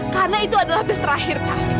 karena itu adalah bis terakhir pak